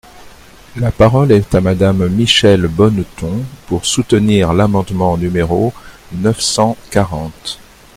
La parole est à Madame Michèle Bonneton, pour soutenir l’amendement numéro neuf cent quarante.